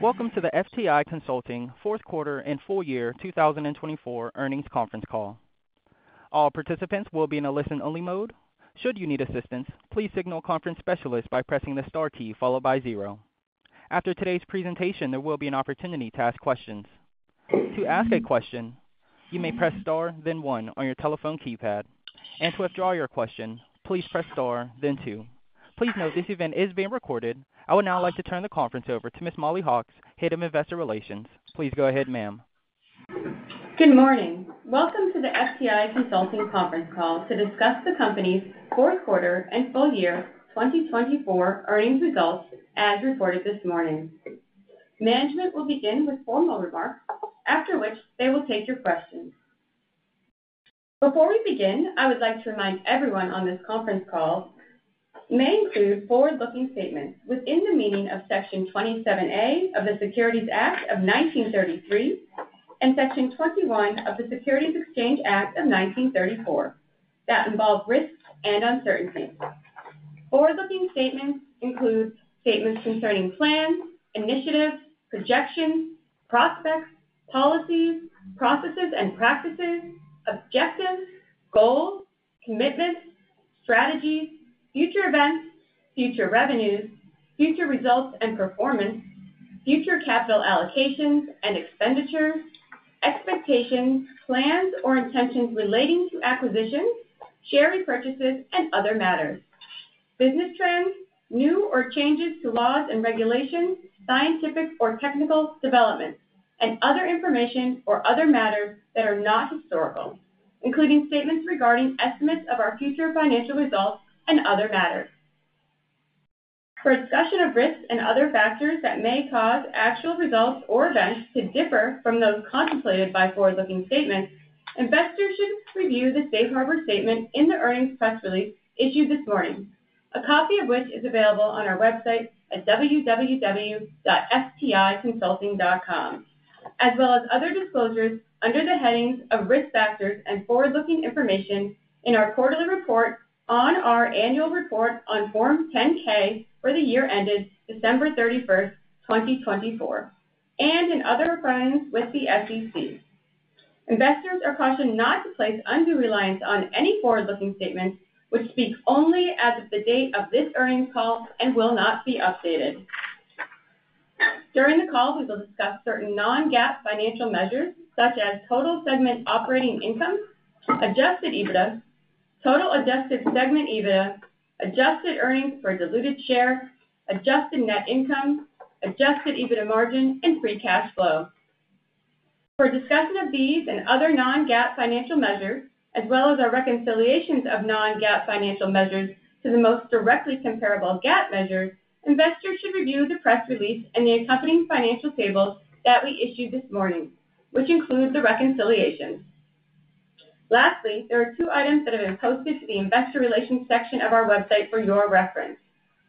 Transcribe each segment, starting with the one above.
Welcome to the FTI Consulting fourth quarter and full year 2024 earnings conference call. All participants will be in a listen-only mode. Should you need assistance, please signal conference specialists by pressing the star key followed by zero. After today's presentation, there will be an opportunity to ask questions. To ask a question, you may press star, then one, on your telephone keypad, and to withdraw your question, please press star, then two. Please note this event is being recorded. I would now like to turn the conference over to Ms. Mollie Hawkes, Head of Investor Relations. Please go ahead, ma'am. Good morning. Welcome to the FTI Consulting conference call to discuss the company's fourth quarter and full year 2024 earnings results as reported this morning. Management will begin with formal remarks, after which they will take your questions. Before we begin, I would like to remind everyone on this conference call may include forward-looking statements within the meaning of Section 27A of the Securities Act of 1933 and Section 21E of the Securities Exchange Act of 1934 that involve risks and uncertainties. Forward-looking statements include statements concerning plans, initiatives, projections, prospects, policies, processes, and practices, objectives, goals, commitments, strategies, future events, future revenues, future results and performance, future capital allocations and expenditures, expectations, plans or intentions relating to acquisitions, share repurchases, and other matters, business trends, new or changes to laws and regulations, scientific or technical developments, and other information or other matters that are not historical, including statements regarding estimates of our future financial results and other matters. For discussion of risks and other factors that may cause actual results or events to differ from those contemplated by forward-looking statements, investors should review the Safe Harbor Statement in the earnings press release issued this morning, a copy of which is available on our website at www.fticonsulting.com, as well as other disclosures under the headings of risk factors and forward-looking information in our quarterly report, on our annual report on Form 10-K for the year ended December 31st, 2024, and in other filings with the SEC. Investors are cautioned not to place undue reliance on any forward-looking statements, which speak only as of the date of this earnings call and will not be updated. During the call, we will discuss certain non-GAAP financial measures such as Total Segment Operating Income, Adjusted EBITDA, Total Adjusted Segment EBITDA, Adjusted Earnings per Diluted Share, Adjusted Net Income, Adjusted EBITDA Margin, and Free Cash Flow. For discussion of these and other non-GAAP financial measures, as well as our reconciliations of non-GAAP financial measures to the most directly comparable GAAP measures, investors should review the press release and the accompanying financial tables that we issued this morning, which include the reconciliations. Lastly, there are two items that have been posted to the investor relations section of our website for your reference.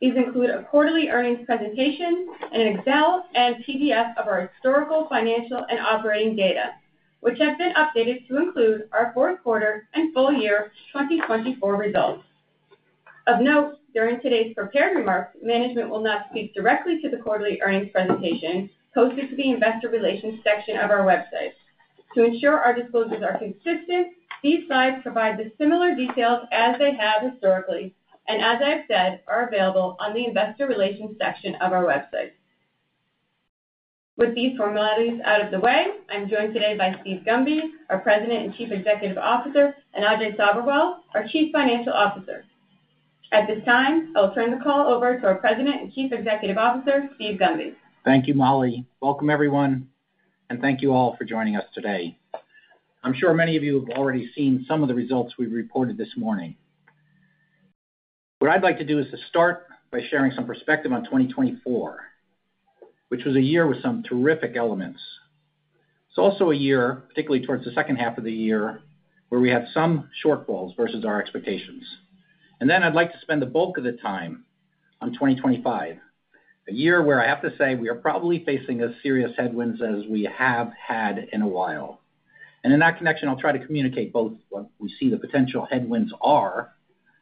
These include a quarterly earnings presentation and an Excel and PDF of our historical financial and operating data, which have been updated to include our fourth quarter and full year 2024 results. Of note, during today's prepared remarks, management will not speak directly to the quarterly earnings presentation posted to the investor relations section of our website. To ensure our disclosures are consistent, these slides provide the similar details as they have historically and, as I've said, are available on the investor relations section of our website. With these formalities out of the way, I'm joined today by Steve Gunby, our President and Chief Executive Officer, and Ajay Sabherwal, our Chief Financial Officer. At this time, I will turn the call over to our President and Chief Executive Officer, Steve Gunby. Thank you, Mollie. Welcome, everyone, and thank you all for joining us today. I'm sure many of you have already seen some of the results we reported this morning. What I'd like to do is to start by sharing some perspective on 2024, which was a year with some terrific elements. It's also a year, particularly towards the second half of the year, where we had some shortfalls versus our expectations. And then I'd like to spend the bulk of the time on 2025, a year where I have to say we are probably facing a serious headwinds as we have had in a while. And in that connection, I'll try to communicate both what we see the potential headwinds are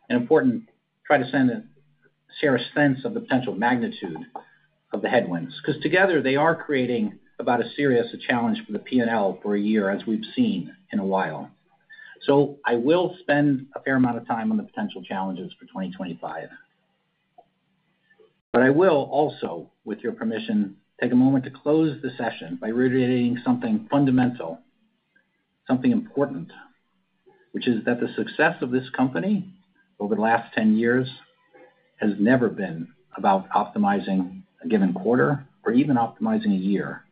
and, important, try to share a sense of the potential magnitude of the headwinds, because together they are creating about as serious a challenge for the P&L for a year as we've seen in a while. So I will spend a fair amount of time on the potential challenges for 2025. But I will also, with your permission, take a moment to close the session by reiterating something fundamental, something important, which is that the success of this company over the last 10 years has never been about optimizing a given quarter or even optimizing a year.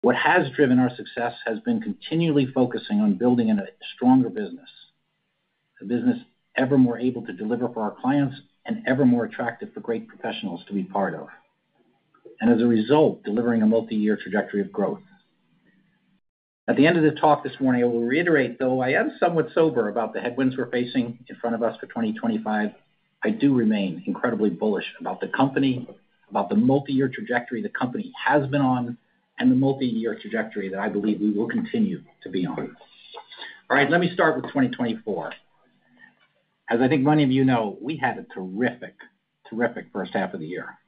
What has driven our success has been continually focusing on building a stronger business, a business ever more able to deliver for our clients and ever more attractive for great professionals to be part of, and as a result, delivering a multi-year trajectory of growth. At the end of the talk this morning, I will reiterate, though I am somewhat sober about the headwinds we're facing in front of us for 2025, I do remain incredibly bullish about the company, about the multi-year trajectory the company has been on, and the multi-year trajectory that I believe we will continue to be on. All right, let me start with 2024. As I think many of you know, we had a terrific, terrific first half of the year.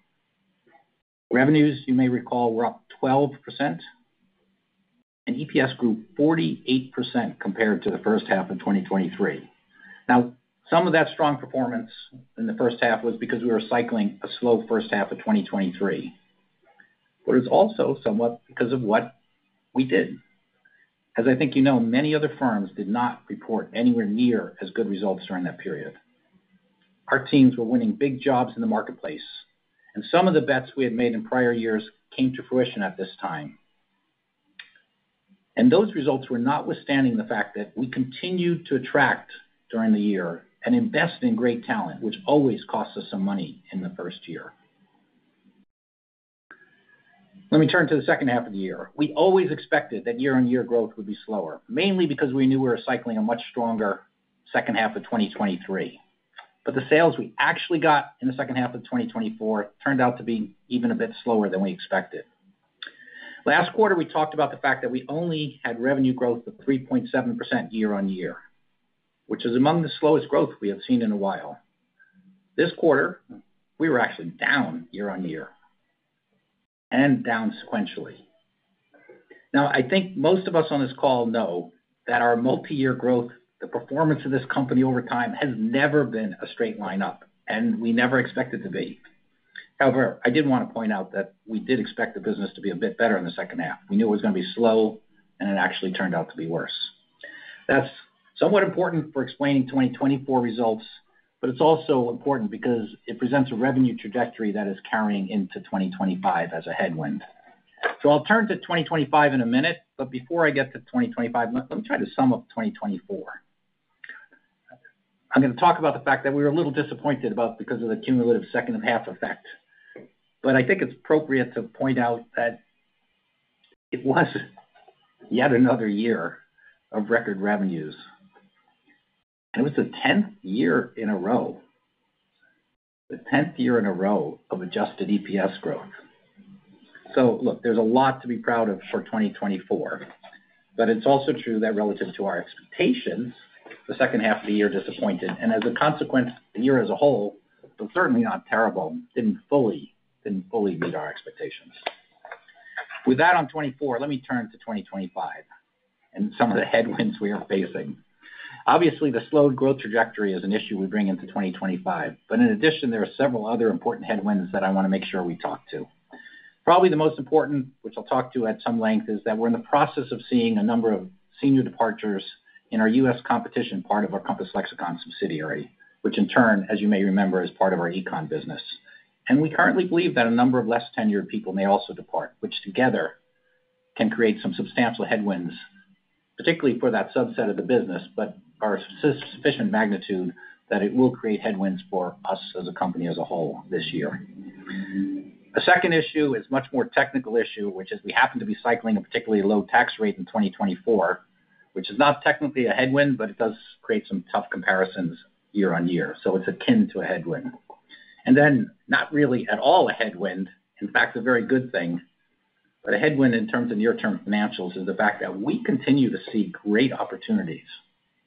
Revenues, you may recall, were up 12%, and EPS grew 48% compared to the first half of 2023. Now, some of that strong performance in the first half was because we were cycling a slow first half of 2023, but it was also somewhat because of what we did. As I think you know, many other firms did not report anywhere near as good results during that period. Our teams were winning big jobs in the marketplace, and some of the bets we had made in prior years came to fruition at this time. And those results were notwithstanding the fact that we continued to attract during the year and invest in great talent, which always costs us some money in the first year. Let me turn to the second half of the year. We always expected that year-on-year growth would be slower, mainly because we knew we were cycling a much stronger second half of 2023. But the sales we actually got in the second half of 2024 turned out to be even a bit slower than we expected. Last quarter, we talked about the fact that we only had revenue growth of 3.7% year-on-year, which is among the slowest growth we have seen in a while. This quarter, we were actually down year-on-year and down sequentially. Now, I think most of us on this call know that our multi-year growth, the performance of this company over time has never been a straight line up, and we never expected to be. However, I did want to point out that we did expect the business to be a bit better in the second half. We knew it was going to be slow, and it actually turned out to be worse. That's somewhat important for explaining 2024 results, but it's also important because it presents a revenue trajectory that is carrying into 2025 as a headwind. So I'll turn to 2025 in a minute, but before I get to 2025, let me try to sum up 2024. I'm going to talk about the fact that we were a little disappointed because of the cumulative second half effect, but I think it's appropriate to point out that it was yet another year of record revenues. And it was the 10th year in a row, the 10th year in a row of adjusted EPS growth. So look, there's a lot to be proud of for 2024, but it's also true that relative to our expectations, the second half of the year disappointed, and as a consequence, the year as a whole was certainly not terrible, didn't fully, didn't fully meet our expectations. With that on 2024, let me turn to 2025 and some of the headwinds we are facing. Obviously, the slowed growth trajectory is an issue we bring into 2025, but in addition, there are several other important headwinds that I want to make sure we talk to. Probably the most important, which I'll talk to at some length, is that we're in the process of seeing a number of senior departures in our U.S. competition part of our Compass Lexecon subsidiary, which in turn, as you may remember, is part of our Econ business, and we currently believe that a number of less-tenured people may also depart, which together can create some substantial headwinds, particularly for that subset of the business, but are sufficient magnitude that it will create headwinds for us as a company as a whole this year. A second issue is a much more technical issue, which is we happen to be cycling a particularly low tax rate in 2024, which is not technically a headwind, but it does create some tough comparisons year-on-year, so it's akin to a headwind, and then not really at all a headwind, in fact, a very good thing, but a headwind in terms of near-term financials is the fact that we continue to see great opportunities,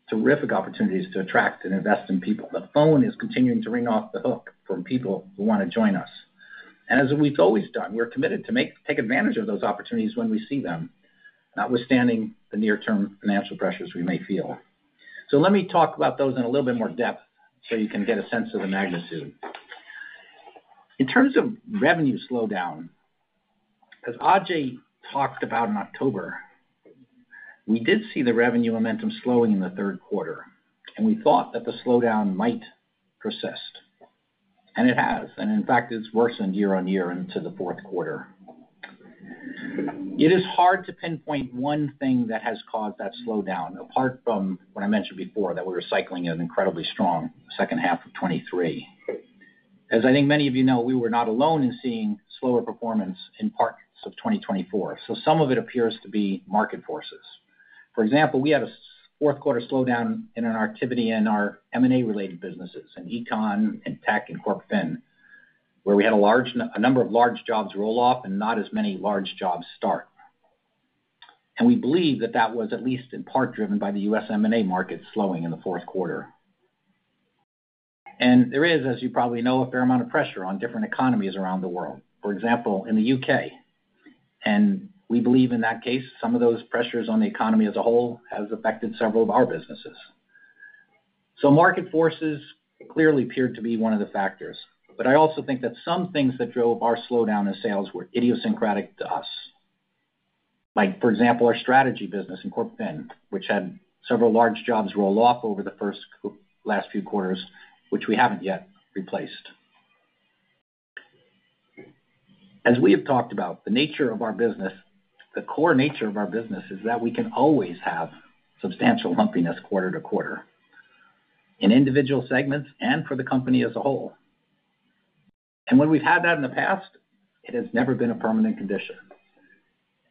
terrific opportunities to attract and invest in people. The phone is continuing to ring off the hook from people who want to join us, and as we've always done, we're committed to take advantage of those opportunities when we see them, notwithstanding the near-term financial pressures we may feel, so let me talk about those in a little bit more depth so you can get a sense of the magnitude. In terms of revenue slowdown, as Ajay talked about in October, we did see the revenue momentum slowing in the third quarter, and we thought that the slowdown might persist, and it has, and in fact, it's worsened year-on-year into the fourth quarter. It is hard to pinpoint one thing that has caused that slowdown apart from what I mentioned before that we were cycling an incredibly strong second half of 2023. As I think many of you know, we were not alone in seeing slower performance in parts of 2024, so some of it appears to be market forces. For example, we had a fourth-quarter slowdown in our activity in our M&A-related businesses and Econ, and Tech and, Corp Fin, where we had a large number of large jobs roll off and not as many large jobs start. We believe that that was at least in part driven by the U.S. M&A market slowing in the fourth quarter. There is, as you probably know, a fair amount of pressure on different economies around the world. For example, in the U.K., and we believe in that case, some of those pressures on the economy as a whole have affected several of our businesses. So market forces clearly appeared to be one of the factors, but I also think that some things that drove our slowdown in sales were idiosyncratic to us, like, for example, our strategy business in Corp Fin, which had several large jobs roll off over the last few quarters, which we haven't yet replaced. As we have talked about, the nature of our business, the core nature of our business is that we can always have substantial lumpiness quarter to quarter in individual segments and for the company as a whole. And when we've had that in the past, it has never been a permanent condition.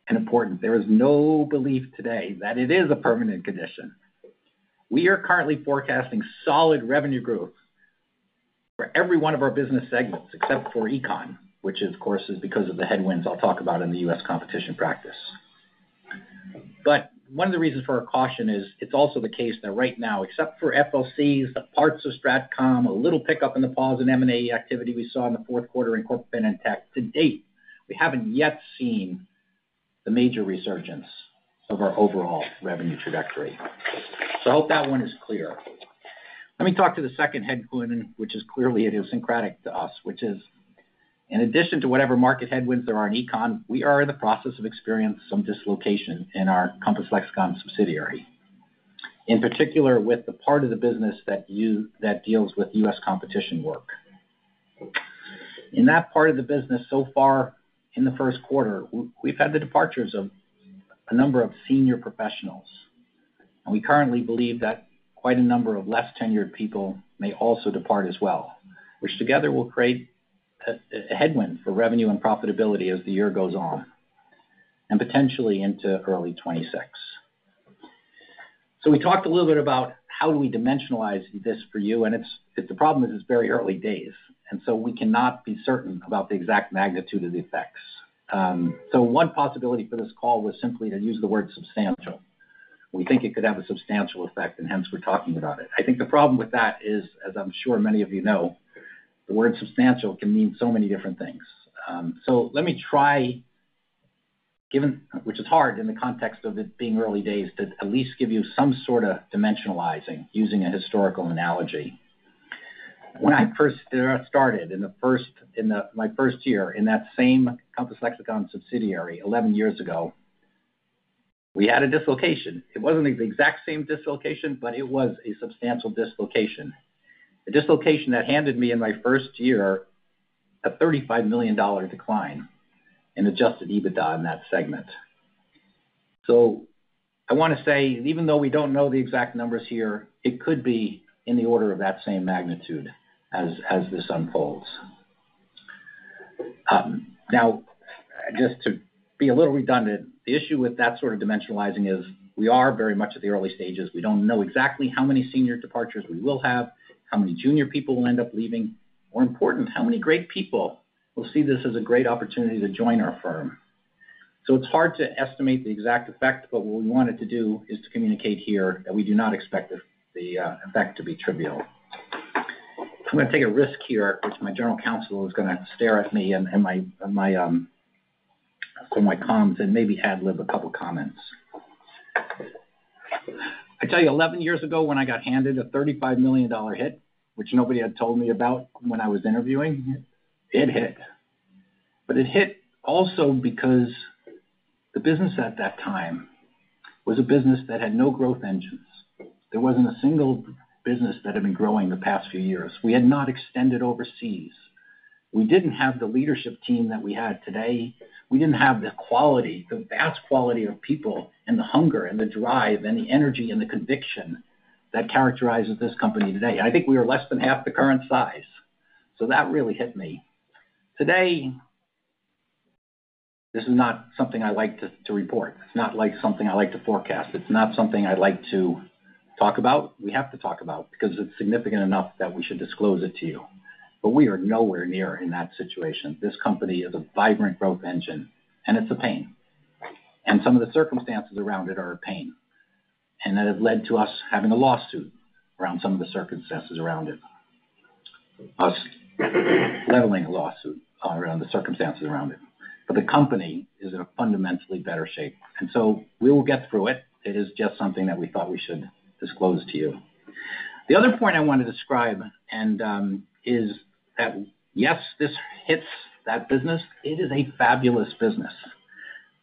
And important, there is no belief today that it is a permanent condition. We are currently forecasting solid revenue growth for every one of our business segments except for Econ, which is, of course, because of the headwinds I'll talk about in the U.S. competition practice. But one of the reasons for our caution is it's also the case that right now, except for FLCs, the parts of StratCom, a little pickup in the pause in M&A activity we saw in the fourth quarter in Corp Fin and Tech to date, we haven't yet seen the major resurgence of our overall revenue trajectory. So I hope that one is clear. Let me talk to the second headwind, which is clearly idiosyncratic to us, which is in addition to whatever market headwinds there are in econ, we are in the process of experiencing some dislocation in our Compass Lexecon subsidiary, in particular with the part of the business that deals with U.S. competition work. In that part of the business so far in the first quarter, we've had the departures of a number of senior professionals, and we currently believe that quite a number of less-tenured people may also depart as well, which together will create a headwind for revenue and profitability as the year goes on and potentially into early 2026. So we talked a little bit about how do we dimensionalize this for you, and the problem is it's very early days, and so we cannot be certain about the exact magnitude of the effects. So one possibility for this call was simply to use the word substantial. We think it could have a substantial effect, and hence we're talking about it. I think the problem with that is, as I'm sure many of you know, the word substantial can mean so many different things. So let me try, which is hard in the context of it being early days, to at least give you some sort of dimensionalizing using a historical analogy. When I first started in my first year in that same Compass Lexecon subsidiary 11 years ago, we had a dislocation. It wasn't the exact same dislocation, but it was a substantial dislocation, a dislocation that handed me in my first year a $35 million decline in Adjusted EBITDA in that segment. So I want to say, even though we don't know the exact numbers here, it could be in the order of that same magnitude as this unfolds. Now, just to be a little redundant, the issue with that sort of dimensionalizing is we are very much at the early stages. We don't know exactly how many senior departures we will have, how many junior people will end up leaving, or importantly, how many great people will see this as a great opportunity to join our firm, so it's hard to estimate the exact effect, but what we wanted to do is to communicate here that we do not expect the effect to be trivial. I'm going to take a risk here, which my general counsel is going to stare at me and my comms and maybe have to live a couple of comments. I tell you, 11 years ago when I got handed a $35 million hit, which nobody had told me about when I was interviewing, it hit, but it hit also because the business at that time was a business that had no growth engines. There wasn't a single business that had been growing the past few years. We had not extended overseas. We didn't have the leadership team that we had today. We didn't have the quality, the vast quality of people and the hunger and the drive and the energy and the conviction that characterizes this company today. I think we were less than half the current size. So that really hit me. Today, this is not something I like to report. It's not like something I like to forecast. It's not something I like to talk about. We have to talk about it because it's significant enough that we should disclose it to you. But we are nowhere near in that situation. This company is a vibrant growth engine, and it's a pain. And some of the circumstances around it are a pain. That has led to us having a lawsuit around some of the circumstances around it, us levying a lawsuit around the circumstances around it. The company is in a fundamentally better shape. We will get through it. It is just something that we thought we should disclose to you. The other point I want to describe is that, yes, this hits that business. It is a fabulous business.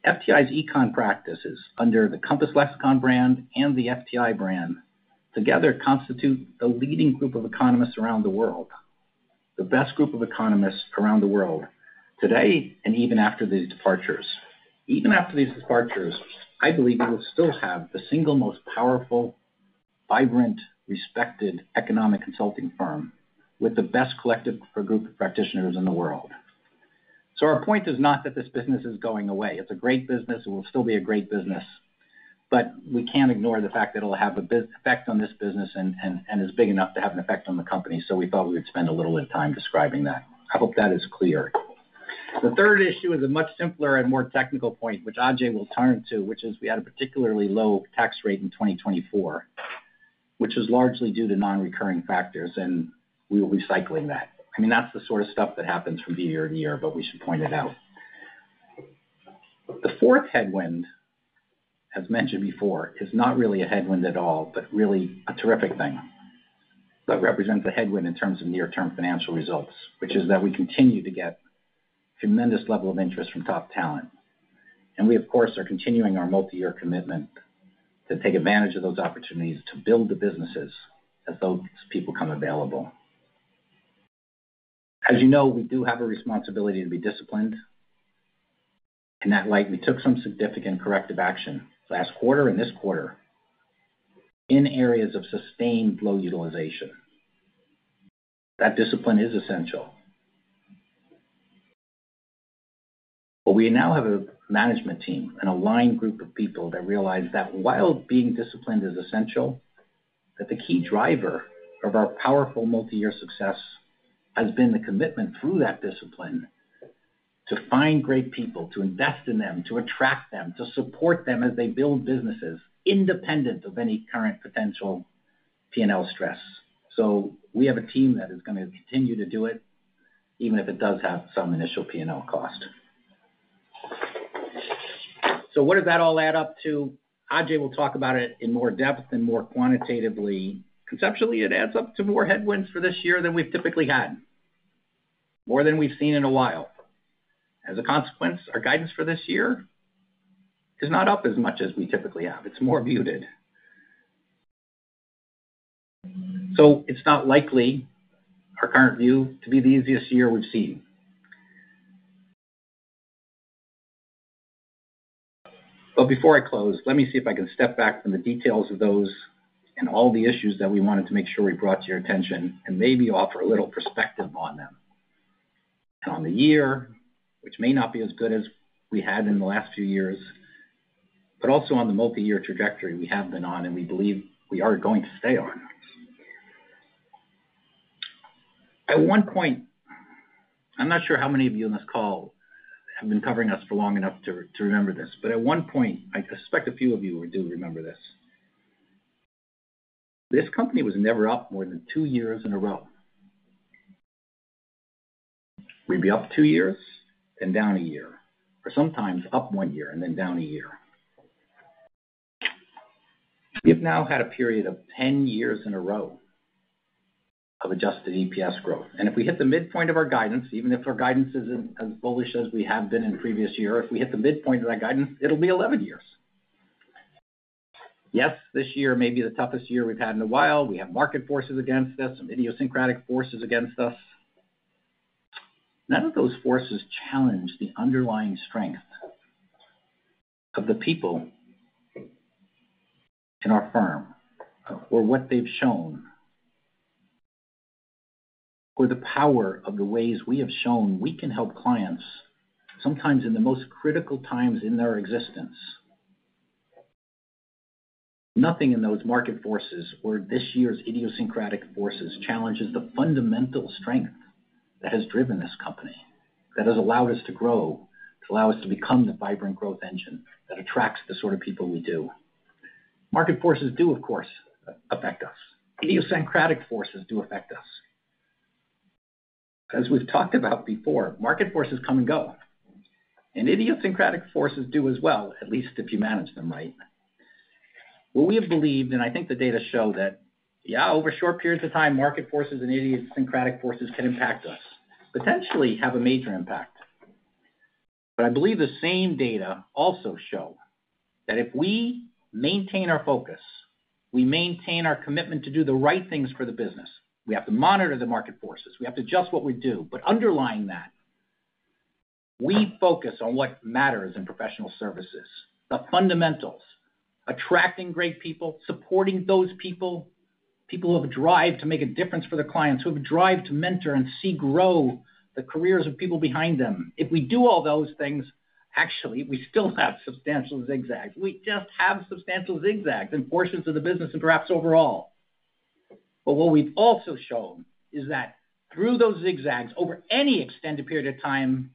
FTI's Econ practices under the Compass Lexecon brand and the FTI brand together constitute the leading group of economists around the world, the best group of economists around the world today and even after these departures. Even after these departures, I believe we will still have the single most powerful, vibrant, respected economic consulting firm with the best collective group of practitioners in the world. Our point is not that this business is going away. It's a great business. It will still be a great business. But we can't ignore the fact that it'll have an effect on this business and is big enough to have an effect on the company. So we thought we would spend a little bit of time describing that. I hope that is clear. The third issue is a much simpler and more technical point, which Ajay will turn to, which is we had a particularly low tax rate in 2024, which is largely due to non-recurring factors, and we will be cycling that. I mean, that's the sort of stuff that happens from year to year, but we should point it out. The fourth headwind, as mentioned before, is not really a headwind at all, but really a terrific thing that represents a headwind in terms of near-term financial results, which is that we continue to get a tremendous level of interest from top talent, and we, of course, are continuing our multi-year commitment to take advantage of those opportunities to build the businesses as those people come available. As you know, we do have a responsibility to be disciplined. In that light, we took some significant corrective action last quarter and this quarter in areas of sustained low utilization. That discipline is essential. But we now have a management team, an aligned group of people that realize that while being disciplined is essential, that the key driver of our powerful multi-year success has been the commitment through that discipline to find great people, to invest in them, to attract them, to support them as they build businesses independent of any current potential P&L stress. So we have a team that is going to continue to do it, even if it does have some initial P&L cost. So what does that all add up to? Ajay will talk about it in more depth and more quantitatively. Conceptually, it adds up to more headwinds for this year than we've typically had, more than we've seen in a while. As a consequence, our guidance for this year is not up as much as we typically have. It's more muted. So it's not likely our current view to be the easiest year we've seen. But before I close, let me see if I can step back from the details of those and all the issues that we wanted to make sure we brought to your attention and maybe offer a little perspective on them. And on the year, which may not be as good as we had in the last few years, but also on the multi-year trajectory we have been on and we believe we are going to stay on. At one point, I'm not sure how many of you on this call have been covering us for long enough to remember this, but at one point, I suspect a few of you do remember this. This company was never up more than two years in a row. We'd be up two years and down a year, or sometimes up one year and then down a year. We have now had a period of 10 years in a row of adjusted EPS growth. And if we hit the midpoint of our guidance, even if our guidance isn't as bullish as we have been in previous years, if we hit the midpoint of that guidance, it'll be 11 years. Yes, this year may be the toughest year we've had in a while. We have market forces against us, some idiosyncratic forces against us. None of those forces challenge the underlying strength of the people in our firm or what they've shown or the power of the ways we have shown we can help clients sometimes in the most critical times in their existence. Nothing in those market forces or this year's idiosyncratic forces challenges the fundamental strength that has driven this company, that has allowed us to grow, to allow us to become the vibrant growth engine that attracts the sort of people we do. Market forces do, of course, affect us. Idiosyncratic forces do affect us. As we've talked about before, market forces come and go, and idiosyncratic forces do as well, at least if you manage them right. We have believed, and I think the data show that, yeah, over short periods of time, market forces and idiosyncratic forces can impact us, potentially have a major impact. I believe the same data also show that if we maintain our focus, we maintain our commitment to do the right things for the business. We have to monitor the market forces. We have to adjust what we do. But underlying that, we focus on what matters in professional services, the fundamentals, attracting great people, supporting those people, people who have a drive to make a difference for their clients, who have a drive to mentor and see grow the careers of people behind them. If we do all those things, actually, we still have substantial zigzags. We just have substantial zigzags in portions of the business and perhaps overall. But what we've also shown is that through those zigzags, over any extended period of time,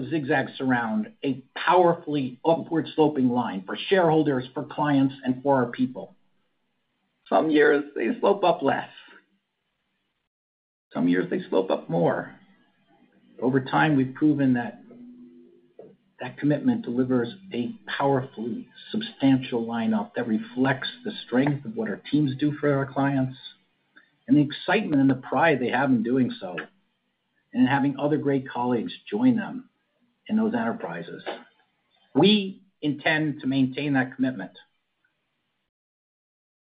those zigzags surround a powerfully upward-sloping line for shareholders, for clients, and for our people. Some years, they slope up less. Some years, they slope up more. Over time, we've proven that that commitment delivers a powerfully substantial lineup that reflects the strength of what our teams do for our clients and the excitement and the pride they have in doing so and in having other great colleagues join them in those enterprises. We intend to maintain that commitment.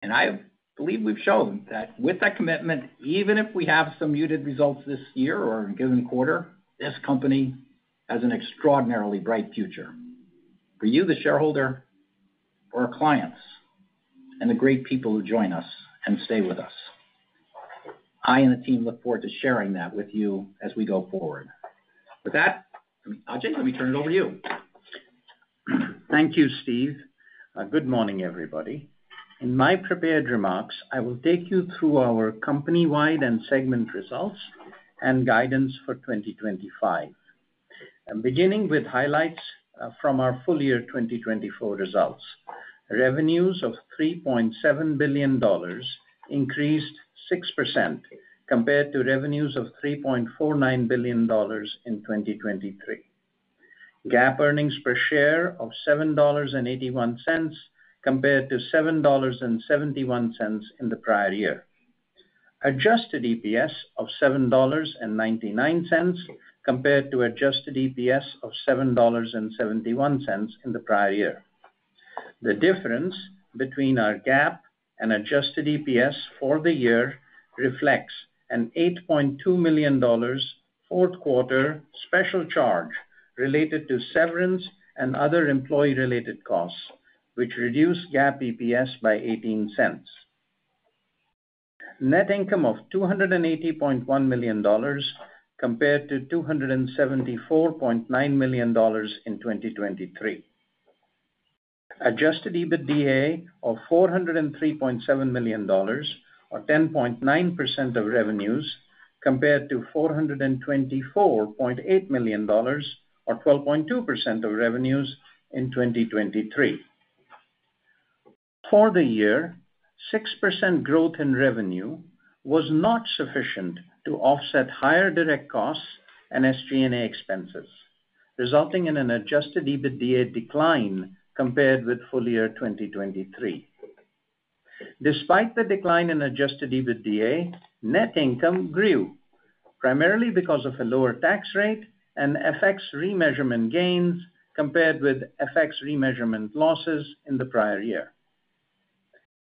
And I believe we've shown that with that commitment, even if we have some muted results this year or in a given quarter, this company has an extraordinarily bright future for you, the shareholder, for our clients, and the great people who join us and stay with us. I and the team look forward to sharing that with you as we go forward. With that, Ajay, let me turn it over to you. Thank you, Steve. Good morning, everybody. In my prepared remarks, I will take you through our company-wide and segment results and guidance for 2025, beginning with highlights from our full-year 2024 results. Revenues of $3.7 billion increased 6% compared to revenues of $3.49 billion in 2023. GAAP earnings per share of $7.81 compared to $7.71 in the prior year. Adjusted EPS of $7.99 compared to adjusted EPS of $7.71 in the prior year. The difference between our GAAP and adjusted EPS for the year reflects an $8.2 million fourth-quarter special charge related to severance and other employee-related costs, which reduced GAAP EPS by $0.18. Net income of $280.1 million compared to $274.9 million in 2023. Adjusted EBITDA of $403.7 million or 10.9% of revenues compared to $424.8 million or 12.2% of revenues in 2023. For the year, 6% growth in revenue was not sufficient to offset higher direct costs and SG&A expenses, resulting in an Adjusted EBITDA decline compared with full-year 2023. Despite the decline in Adjusted EBITDA, net income grew, primarily because of a lower tax rate and FX remeasurement gains compared with FX remeasurement losses in the prior year.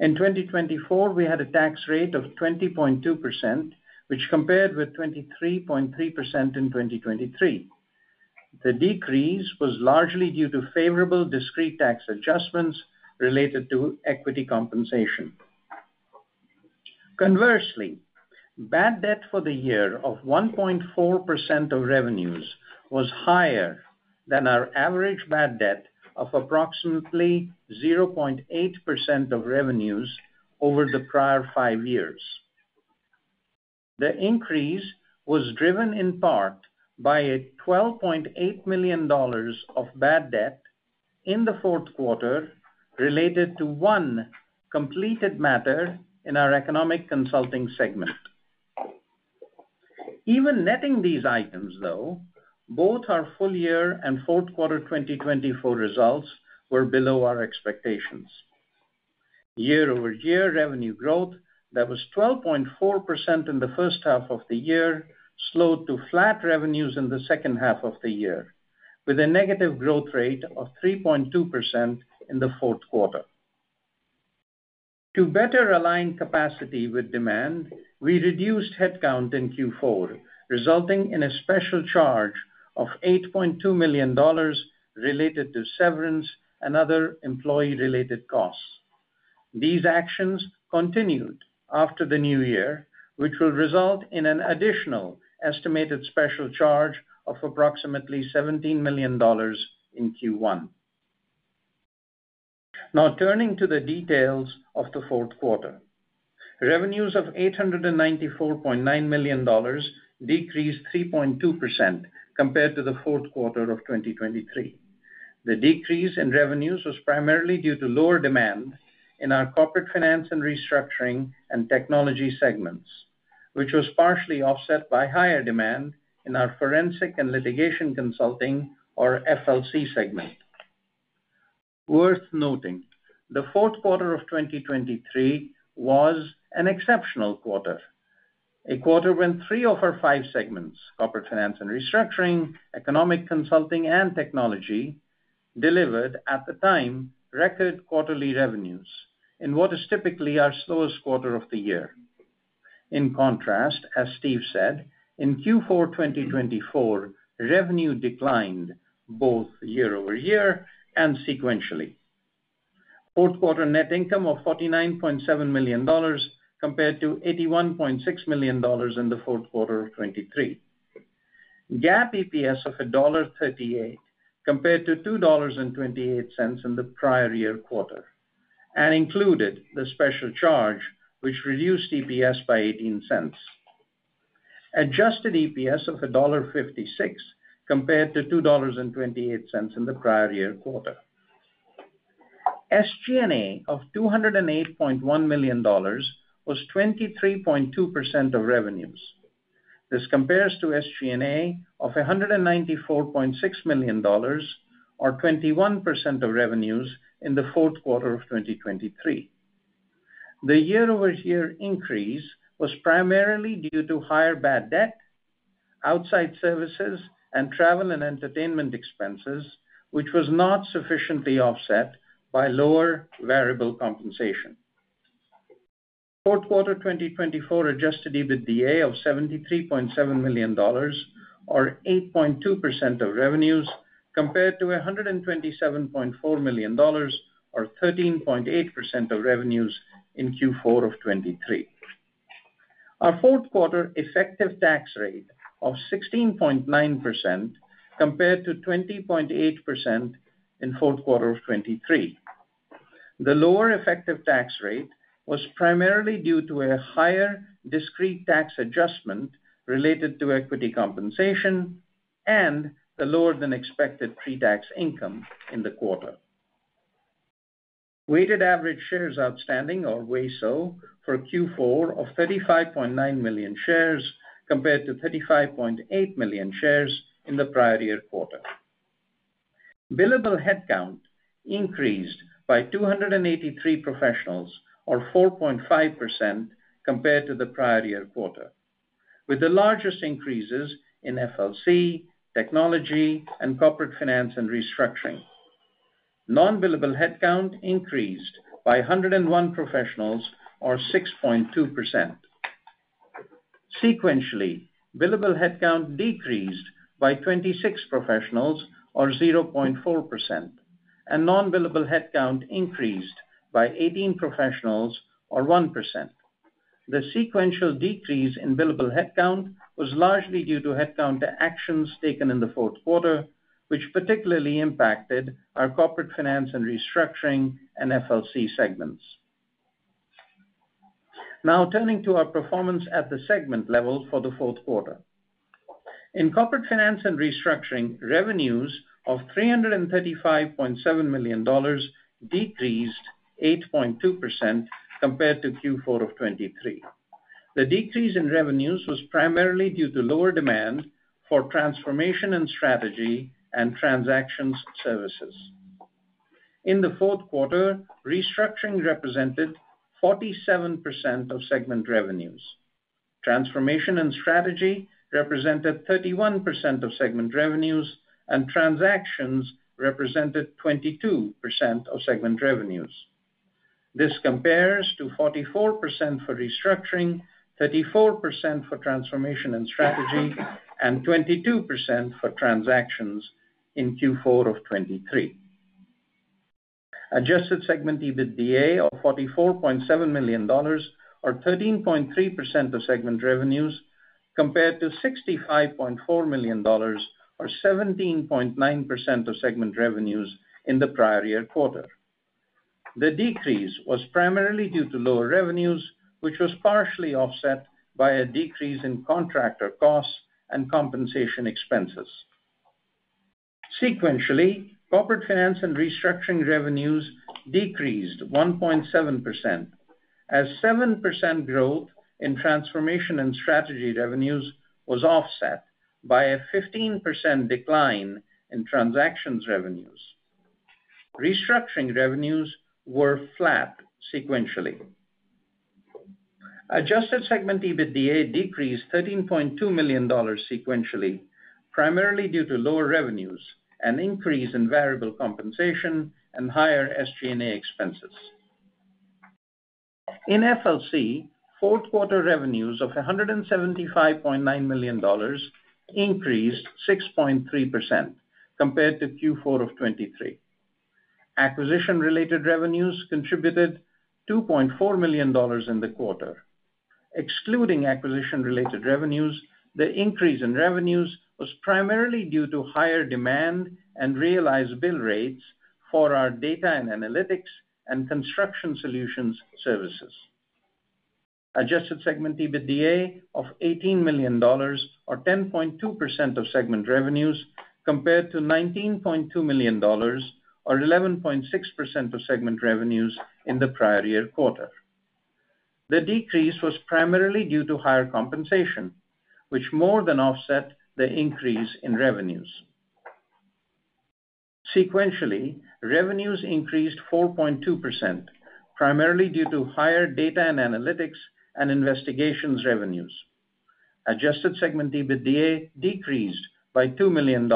In 2024, we had a tax rate of 20.2%, which compared with 23.3% in 2023. The decrease was largely due to favorable discrete tax adjustments related to equity compensation. Conversely, bad debt for the year of 1.4% of revenues was higher than our average bad debt of approximately 0.8% of revenues over the prior five years. The increase was driven in part by a $12.8 million of bad debt in the fourth quarter related to one completed matter in our Economic Consulting segment. Even netting these items, though, both our full-year and fourth-quarter 2024 results were below our expectations. Year-over-year revenue growth that was 12.4% in the first half of the year slowed to flat revenues in the second half of the year, with a negative growth rate of 3.2% in the fourth quarter. To better align capacity with demand, we reduced headcount in Q4, resulting in a special charge of $8.2 million related to severance and other employee-related costs. These actions continued after the new year, which will result in an additional estimated special charge of approximately $17 million in Q1. Now, turning to the details of the fourth quarter, revenues of $894.9 million decreased 3.2% compared to the fourth quarter of 2023. The decrease in revenues was primarily due to lower demand in our Corporate Finance & Restructuring and Technology segments, which was partially offset by higher demand in our Forensic & Litigation Consulting, or FLC segment. Worth noting, the fourth quarter of 2023 was an exceptional quarter, a quarter when three of our five segments, Corporate Finance & Restructuring, Economic Consulting, and Technology, delivered at the time record quarterly revenues in what is typically our slowest quarter of the year. In contrast, as Steve said, in Q4 2024, revenue declined both year-over-year and sequentially. Fourth-quarter net income of $49.7 million compared to $81.6 million in the fourth quarter of 2023. GAAP EPS of $1.38 compared to $2.28 in the prior year quarter and included the special charge, which reduced EPS by $0.18. Adjusted EPS of $1.56 compared to $2.28 in the prior year quarter. SG&A of $208.1 million was 23.2% of revenues. This compares to SG&A of $194.6 million, or 21% of revenues in the fourth quarter of 2023. The year-over-year increase was primarily due to higher bad debt, outside services, and travel and entertainment expenses, which was not sufficiently offset by lower variable compensation. Fourth quarter 2024 Adjusted EBITDA of $73.7 million, or 8.2% of revenues, compared to $127.4 million, or 13.8% of revenues in Q4 of 2023. Our fourth quarter effective tax rate of 16.9% compared to 20.8% in fourth quarter of 2023. The lower effective tax rate was primarily due to a higher discrete tax adjustment related to equity compensation and the lower-than-expected pre-tax income in the quarter. Weighted average shares outstanding, or WESO, for Q4 of 35.9 million shares compared to 35.8 million shares in the prior year quarter. Billable headcount increased by 283 professionals, or 4.5% compared to the prior year quarter, with the largest increases in FLC, Technology, and Corporate Finance & Restructuring. Non-billable headcount increased by 101 professionals, or 6.2%. Sequentially, billable headcount decreased by 26 professionals, or 0.4%, and non-billable headcount increased by 18 professionals, or 1%. The sequential decrease in billable headcount was largely due to headcount actions taken in the fourth quarter, which particularly impacted our Corporate Finance & Restructuring and FLC segments. Now, turning to our performance at the segment level for the fourth quarter. In Corporate Finance & Restructuring, revenues of $335.7 million decreased 8.2% compared to Q4 of 2023. The decrease in revenues was primarily due to lower demand for Transformation and Strategy, and Transactions services. In the fourth quarter, Restructuring represented 47% of segment revenues. Transformation and strategy represented 31% of segment revenues, and Transactions represented 22% of segment revenues. This compares to 44% for Restructuring, 34% for Transformation and Strategy, and 22% for Transactions in Q4 of 2023. Adjusted segment EBITDA of $44.7 million, or 13.3% of segment revenues, compared to $65.4 million, or 17.9% of segment revenues in the prior year quarter. The decrease was primarily due to lower revenues, which was partially offset by a decrease in contractor costs and compensation expenses. Sequentially, Corporate Finance & Restructuring revenues decreased 1.7%, as 7% growth in transformation and strategy revenues was offset by a 15% decline in Transactions revenues. Restructuring revenues were flat sequentially. Adjusted segment EBITDA decreased $13.2 million sequentially, primarily due to lower revenues, an increase in variable compensation, and higher SG&A expenses. In FLC, fourth-quarter revenues of $175.9 million increased 6.3% compared to Q4 of 2023. Acquisition-related revenues contributed $2.4 million in the quarter. Excluding acquisition-related revenues, the increase in revenues was primarily due to higher demand and realized bill rates for our Data & Analytics and Construction Solutions services. Adjusted segment EBITDA of $18 million, or 10.2% of segment revenues, compared to $19.2 million, or 11.6% of segment revenues in the prior year quarter. The decrease was primarily due to higher compensation, which more than offset the increase in revenues. Sequentially, revenues increased 4.2%, primarily due to higher Data and Analytics and investigations revenues. Adjusted segment EBITDA decreased by $2 million,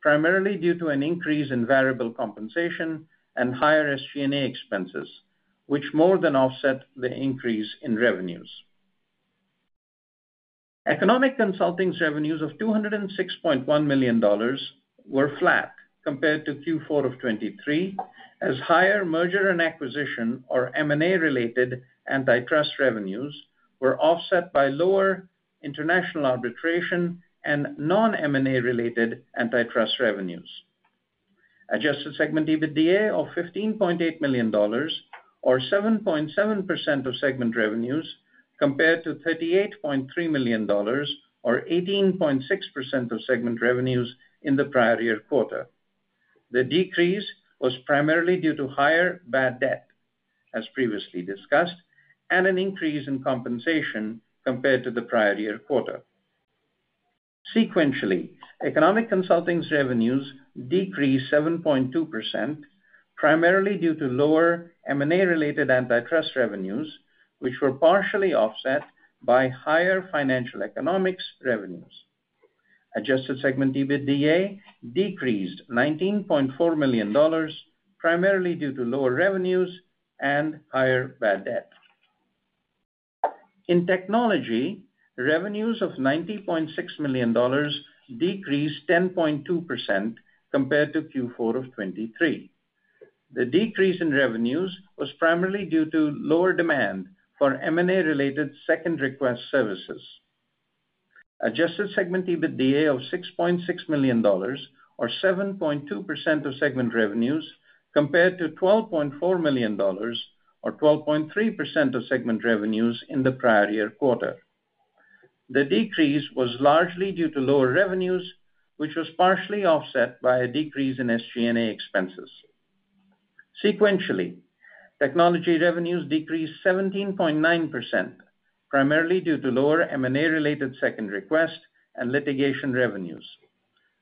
primarily due to an increase in variable compensation and higher SG&A expenses, which more than offset the increase in revenues. Economic Consulting revenues of $206.1 million were flat compared to Q4 of 2023, as higher merger and acquisition, or M&A-related Antitrust revenues, were offset by lower international arbitration and non-M&A-related Antitrust revenues. Adjusted segment EBITDA of $15.8 million, or 7.7% of segment revenues, compared to $38.3 million, or 18.6% of segment revenues in the prior year quarter. The decrease was primarily due to higher bad debt, as previously discussed, and an increase in compensation compared to the prior year quarter. Sequentially, Economic Consulting revenues decreased 7.2%, primarily due to lower M&A-related Antitrust revenues, which were partially offset by higher Financial Economics revenues. Adjusted segment EBITDA decreased $19.4 million, primarily due to lower revenues and higher bad debt. In Technology, revenues of $90.6 million decreased 10.2% compared to Q4 of 2023. The decrease in revenues was primarily due to lower demand for M&A-related Second Request services. Adjusted segment EBITDA of $6.6 million, or 7.2% of segment revenues, compared to $12.4 million, or 12.3% of segment revenues in the prior year quarter. The decrease was largely due to lower revenues, which was partially offset by a decrease in SG&A expenses. Sequentially, Technology revenues decreased 17.9%, primarily due to lower M&A-related Second Request and litigation revenues.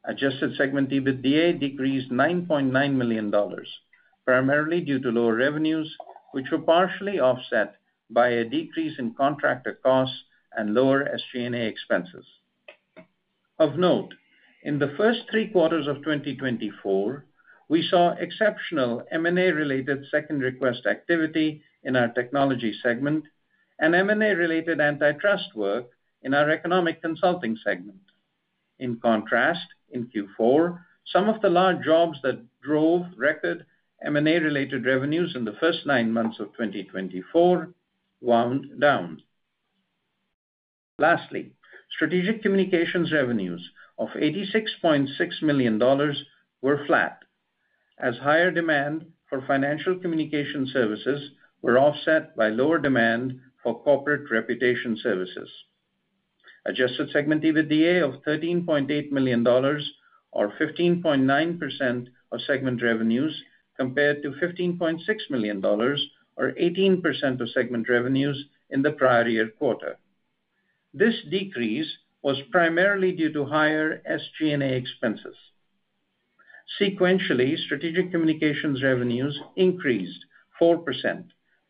Adjusted segment EBITDA decreased $9.9 million, primarily due to lower revenues, which were partially offset by a decrease in contractor costs and lower SG&A expenses. Of note, in the first three quarters of 2024, we saw exceptional M&A-related Second Request activity in our Technology segment and M&A-related Antitrust work in our Economic Consulting segment. In contrast, in Q4, some of the large jobs that drove record M&A-related revenues in the first nine months of 2024 wound down. Lastly, Strategic Communications revenues of $86.6 million were flat, as higher demand for Financial Communications services was offset by lower demand for Corporate Reputation services. Adjusted segment EBITDA of $13.8 million, or 15.9% of segment revenues, compared to $15.6 million, or 18% of segment revenues in the prior year quarter. This decrease was primarily due to higher SG&A expenses. Sequentially, Strategic Communications revenues increased 4%,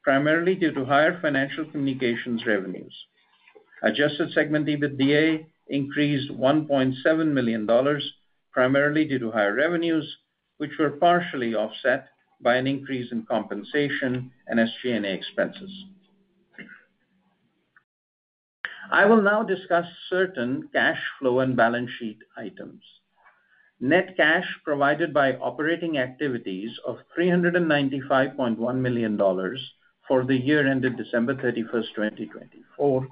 primarily due to higher Financial Communications revenues. Adjusted segment EBITDA increased $1.7 million, primarily due to higher revenues, which were partially offset by an increase in compensation and SG&A expenses. I will now discuss certain cash flow and balance sheet items. Net cash provided by operating activities of $395.1 million for the year ended December 31, 2024,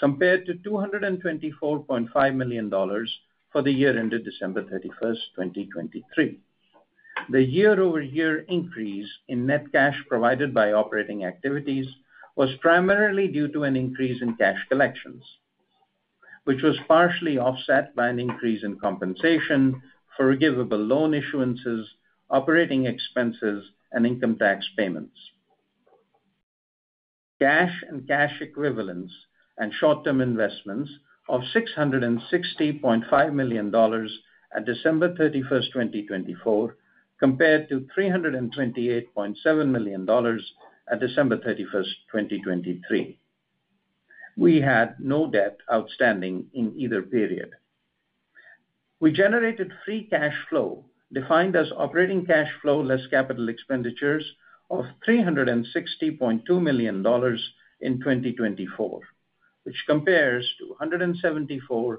compared to $224.5 million for the year ended December 31, 2023. The year-over-year increase in net cash provided by operating activities was primarily due to an increase in cash collections, which was partially offset by an increase in compensation, forgivable loan issuances, operating expenses, and income tax payments. Cash and cash equivalents and short-term investments of $660.5 million at December 31, 2024, compared to $328.7 million at December 31, 2023. We had no debt outstanding in either period. We generated Free Cash Flow defined as operating cash flow less capital expenditures of $360.2 million in 2024, which compares to $174.9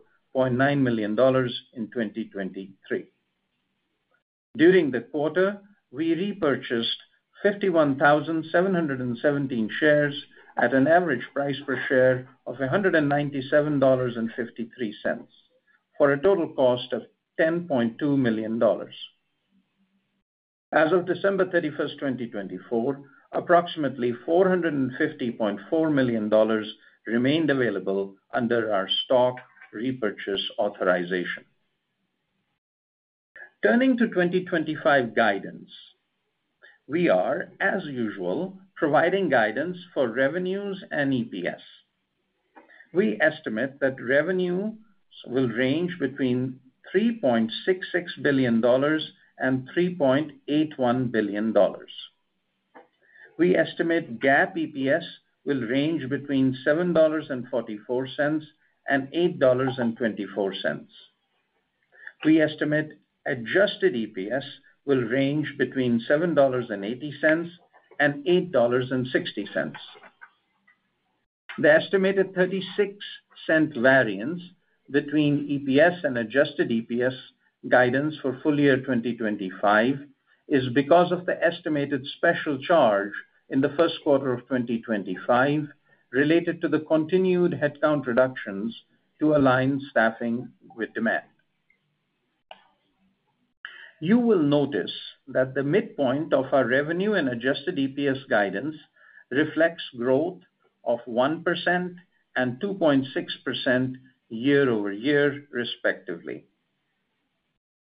million in 2023. During the quarter, we repurchased 51,717 shares at an average price per share of $197.53 for a total cost of $10.2 million. As of December 31, 2024, approximately $450.4 million remained available under our stock repurchase authorization. Turning to 2025 guidance, we are, as usual, providing guidance for revenues and EPS. We estimate that revenue will range between $3.66 billion and $3.81 billion. We estimate GAAP EPS will range between $7.44 and $8.24. We estimate adjusted EPS will range between $7.80 and $8.60. The estimated $0.36 variance between EPS and adjusted EPS guidance for full year 2025 is because of the estimated special charge in the first quarter of 2025 related to the continued headcount reductions to align staffing with demand. You will notice that the midpoint of our revenue and adjusted EPS guidance reflects growth of 1% and 2.6% year-over-year, respectively.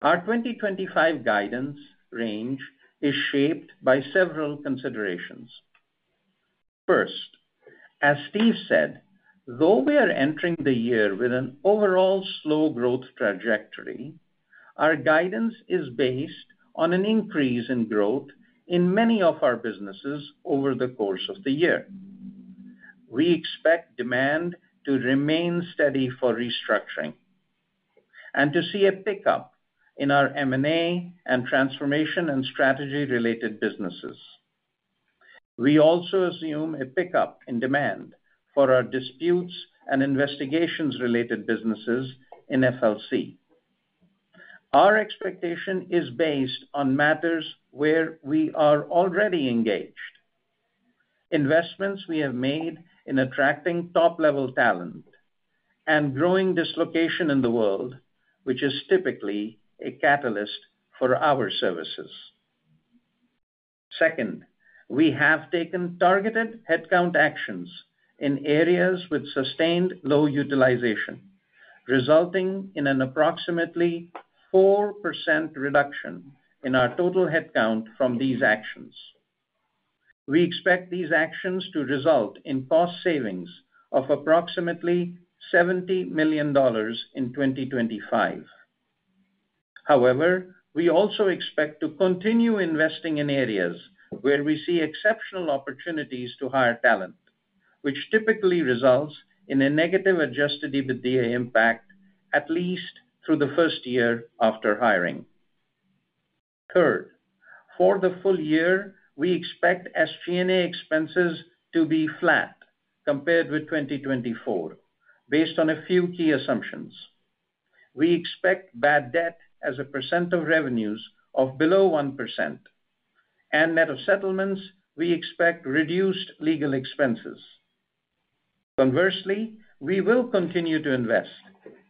Our 2025 guidance range is shaped by several considerations. First, as Steve said, though we are entering the year with an overall slow growth trajectory, our guidance is based on an increase in growth in many of our businesses over the course of the year. We expect demand to remain steady for Restructuring and to see a pickup in our M&A and Transformation and Strategy-related businesses. We also assume a pickup in demand for our Disputes and Investigations-related businesses in FLC. Our expectation is based on matters where we are already engaged: investments we have made in attracting top-level talent and growing dislocation in the world, which is typically a catalyst for our services. Second, we have taken targeted headcount actions in areas with sustained low utilization, resulting in an approximately 4% reduction in our total headcount from these actions. We expect these actions to result in cost savings of approximately $70 million in 2025. However, we also expect to continue investing in areas where we see exceptional opportunities to hire talent, which typically results in a negative Adjusted EBITDA impact at least through the first year after hiring. Third, for the full year, we expect SG&A expenses to be flat compared with 2024, based on a few key assumptions. We expect bad debt as a percent of revenues of below 1%, and net of settlements, we expect reduced legal expenses. Conversely, we will continue to invest,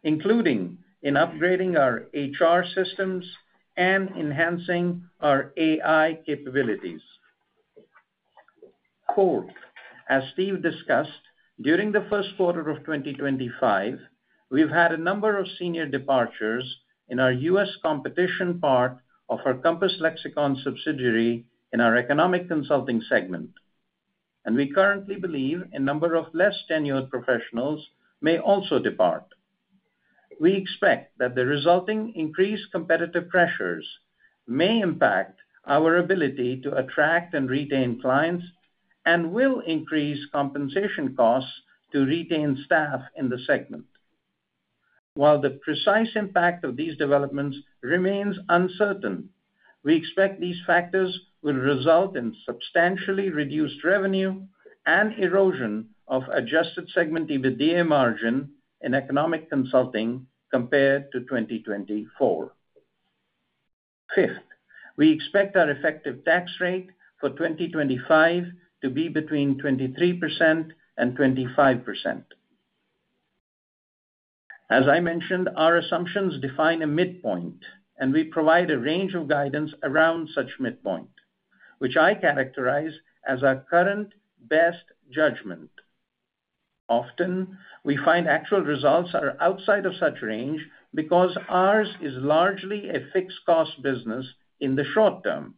including in upgrading our HR systems and enhancing our AI capabilities. Fourth, as Steve discussed, during the first quarter of 2025, we've had a number of senior departures in our U.S. competition part of our Compass Lexecon subsidiary in our Economic Consulting segment, and we currently believe a number of less-tenured professionals may also depart. We expect that the resulting increased competitive pressures may impact our ability to attract and retain clients and will increase compensation costs to retain staff in the segment. While the precise impact of these developments remains uncertain, we expect these factors will result in substantially reduced revenue and erosion of adjusted segment EBITDA margin in Economic Consulting compared to 2024. Fifth, we expect our effective tax rate for 2025 to be between 23% and 25%. As I mentioned, our assumptions define a midpoint, and we provide a range of guidance around such midpoint, which I characterize as our current best judgment. Often, we find actual results are outside of such range because ours is largely a fixed-cost business in the short term,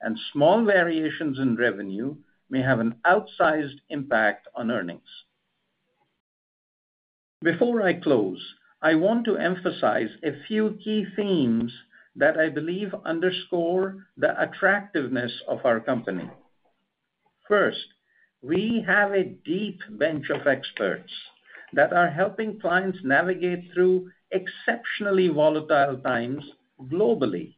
and small variations in revenue may have an outsized impact on earnings. Before I close, I want to emphasize a few key themes that I believe underscore the attractiveness of our company. First, we have a deep bench of experts that are helping clients navigate through exceptionally volatile times globally.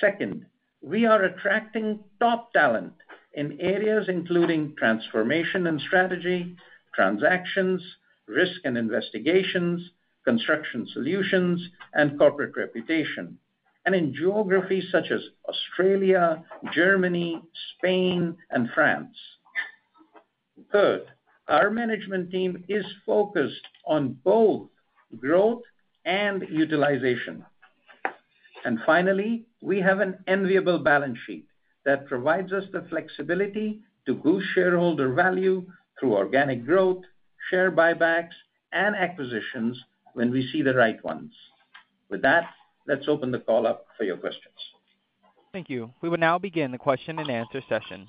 Second, we are attracting top talent in areas including Transformation and Strategy, Transactions, Risk and Investigations, Construction Solutions, and Corporate Reputation, and in geographies such as Australia, Germany, Spain, and France. Third, our management team is focused on both growth and utilization. And finally, we have an enviable balance sheet that provides us the flexibility to boost shareholder value through organic growth, share buybacks, and acquisitions when we see the right ones. With that, let's open the call up for your questions. Thank you. We will now begin the question-and-answer session.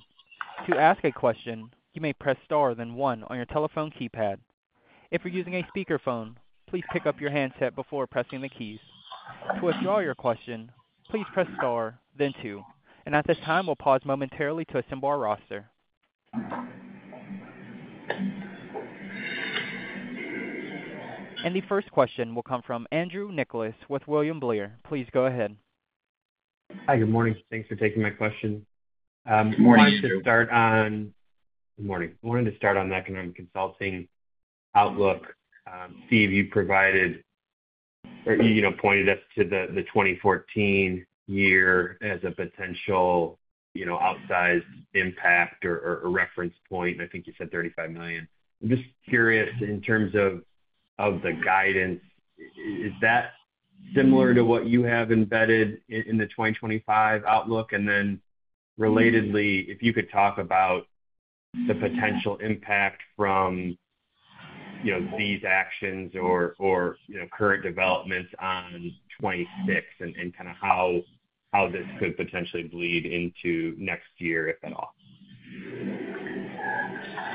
To ask a question, you may press star then one on your telephone keypad. If you're using a speakerphone, please pick up your handset before pressing the keys. To withdraw your question, please press star then two. And at this time, we'll pause momentarily to assemble our roster. And the first question will come from Andrew Nicholas with William Blair. Please go ahead. Hi, good morning. Thanks for taking my question. Good morning. I wanted to start on the Economic Consulting outlook. Steve, you provided or pointed us to the 2014 year as a potential outsized impact or reference point. I think you said $35 million. I'm just curious, in terms of the guidance, is that similar to what you have embedded in the 2025 outlook? And then relatedly, if you could talk about the potential impact from these actions or current developments on 2026 and kind of how this could potentially bleed into next year, if at all.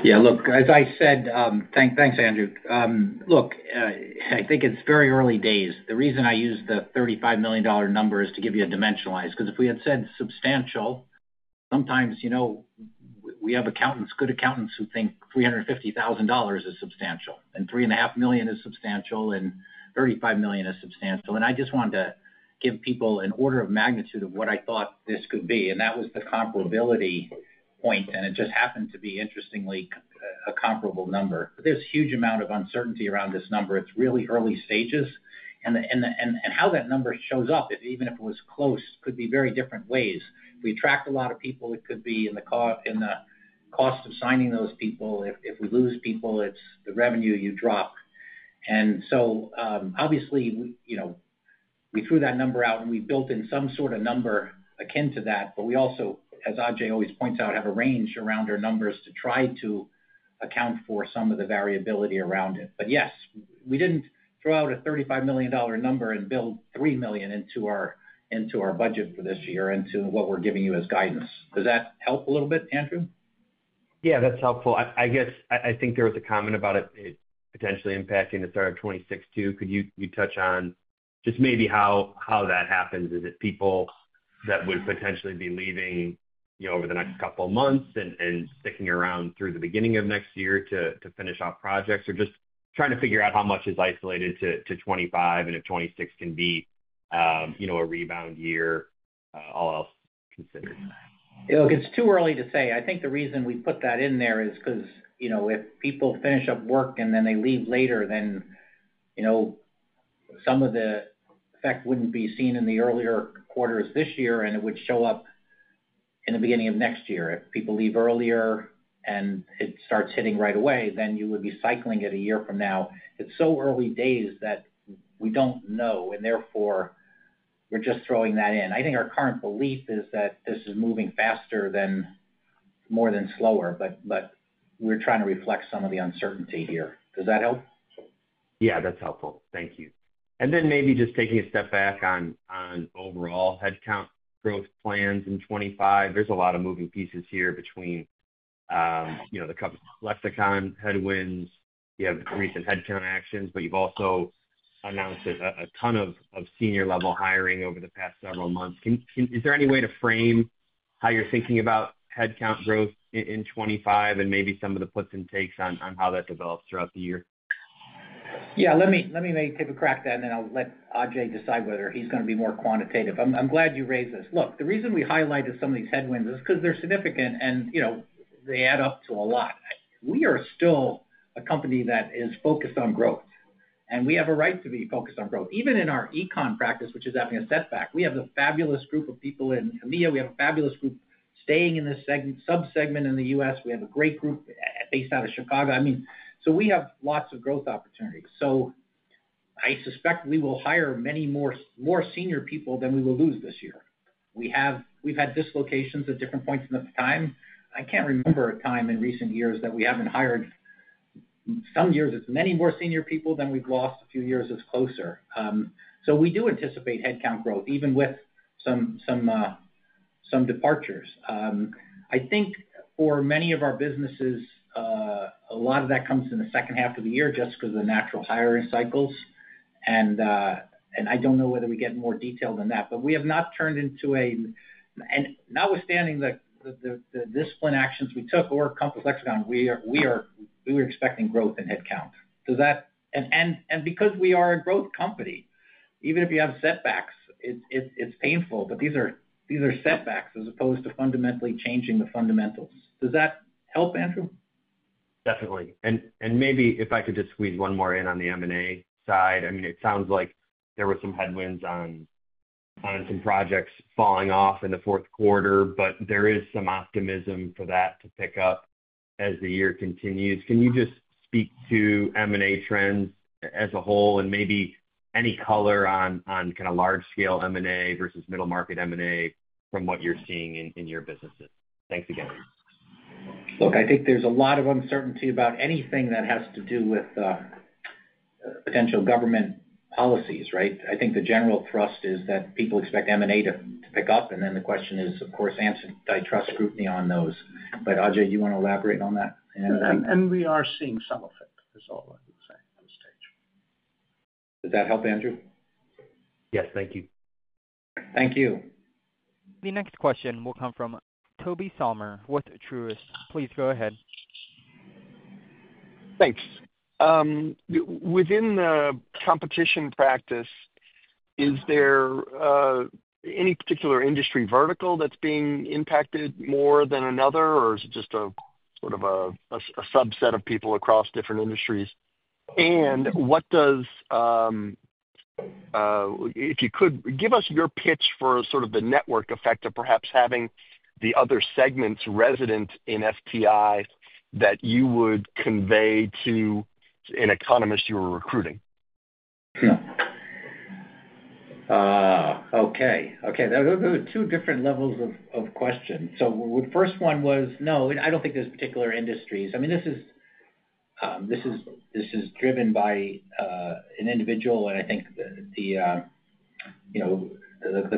Yeah. Look, as I said, thanks, Andrew. Look, I think it's very early days. The reason I use the $35 million number is to give you a dimensionalized because if we had said substantial, sometimes we have accountants, good accountants, who think $350,000 is substantial and $3.5 million is substantial and $35 million is substantial. I just wanted to give people an order of magnitude of what I thought this could be. That was the comparability point. And it just happened to be, interestingly, a comparable number. There's a huge amount of uncertainty around this number. It's really early stages. And how that number shows up, even if it was close, could be very different ways. If we attract a lot of people, it could be in the cost of signing those people. If we lose people, it's the revenue you drop. And so obviously, we threw that number out, and we built in some sort of number akin to that. But we also, as Ajay always points out, have a range around our numbers to try to account for some of the variability around it. But yes, we didn't throw out a $35 million number and build $3 million into our budget for this year into what we're giving you as guidance. Does that help a little bit, Andrew? Yeah, that's helpful. I guess I think there was a comment about it potentially impacting the start of 2026 too. Could you touch on just maybe how that happens? Is it people that would potentially be leaving over the next couple of months and sticking around through the beginning of next year to finish off projects or just trying to figure out how much is isolated to 2025 and if 2026 can be a rebound year, all else considered? Look, it's too early to say. I think the reason we put that in there is because if people finish up work and then they leave later, then some of the effect wouldn't be seen in the earlier quarters this year, and it would show up in the beginning of next year. If people leave earlier and it starts hitting right away, then you would be cycling it a year from now. It's so early days that we don't know, and therefore, we're just throwing that in. I think our current belief is that this is moving faster than more than slower, but we're trying to reflect some of the uncertainty here. Does that help? Yeah, that's helpful. Thank you. And then maybe just taking a step back on overall headcount growth plans in 2025. There's a lot of moving pieces here between the Compass Lexecon headwinds. You have recent headcount actions, but you've also announced a ton of senior-level hiring over the past several months. Is there any way to frame how you're thinking about headcount growth in 2025 and maybe some of the puts and takes on how that develops throughout the year? Yeah. Let me maybe take a crack at that, and then I'll let Ajay decide whether he's going to be more quantitative. I'm glad you raised this. Look, the reason we highlighted some of these headwinds is because they're significant, and they add up to a lot. We are still a company that is focused on growth, and we have a right to be focused on growth. Even in our Econ practice, which is having a setback, we have a fabulous group of people in Canada. We have a fabulous group staying in this subsegment in the U.S. We have a great group based out of Chicago. I mean, so we have lots of growth opportunities. So I suspect we will hire many more senior people than we will lose this year. We've had dislocations at different points in the time. I can't remember a time in recent years that we haven't hired. Some years, it's many more senior people than we've lost. A few years, it's closer. So we do anticipate headcount growth, even with some departures. I think for many of our businesses, a lot of that comes in the second half of the year just because of the natural hiring cycles. And I don't know whether we get more detail than that, but we have not turned into a, and notwithstanding the disciplinary actions we took at Compass Lexecon, we were expecting growth in headcount. And because we are a growth company, even if you have setbacks, it's painful, but these are setbacks as opposed to fundamentally changing the fundamentals. Does that help, Andrew? Definitely. And maybe if I could just squeeze one more in on the M&A side. I mean, it sounds like there were some headwinds on some projects falling off in the fourth quarter, but there is some optimism for that to pick up as the year continues. Can you just speak to M&A trends as a whole and maybe any color on kind of large-scale M&A versus middle-market M&A from what you're seeing in your businesses? Thanks again. Look, I think there's a lot of uncertainty about anything that has to do with potential government policies, right? I think the general thrust is that people expect M&A to pick up, and then the question is, of course, Antitrust scrutiny on those. But Ajay, do you want to elaborate on that? And we are seeing some of it, is all I would say at this stage. Does that help, Andrew? Yes, thank you. Thank you. The next question will come from Toby Sommer with Truist. Please go ahead. Thanks. Within the competition practice, is there any particular industry vertical that's being impacted more than another, or is it just a sort of a subset of people across different industries? And if you could, give us your pitch for sort of the network effect of perhaps having the other segments resident in FTI that you would convey to an economist you were recruiting. Okay. Okay. Those are two different levels of questions. So the first one was, no, I don't think there's particular industries. I mean, this is driven by an individual, and I think the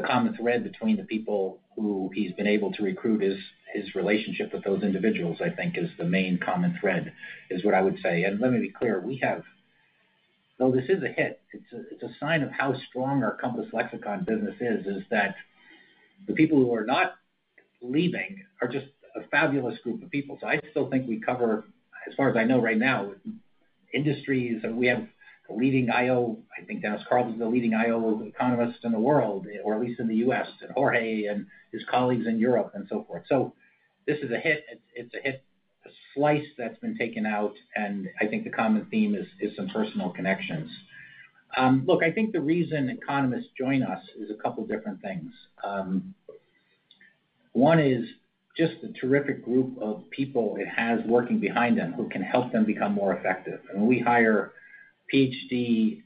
common thread between the people who he's been able to recruit is his relationship with those individuals, I think, is the main common thread, is what I would say. And let me be clear. Well, this is a hit. It's a sign of how strong our Compass Lexecon business is, is that the people who are not leaving are just a fabulous group of people. So I still think we cover, as far as I know right now, industries. We have a leading I/O. I think Dennis Carlton is the leading I/O economist in the world, or at least in the U.S., and Jorge and his colleagues in Europe and so forth. So this is a hit. It's a hit slice that's been taken out, and I think the common theme is some personal connections. Look, I think the reason economists join us is a couple of different things. One is just the terrific group of people it has working behind them who can help them become more effective. We hire PhD